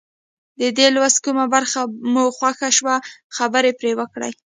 د دې لوست کومه برخه مو خوښه شوه خبرې پرې وکړئ.